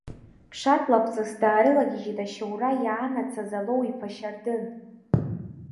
Ԥшатлакуҵас даарылагьежьит, ашьоура иаанацаз Алоу-иԥа Шьардын.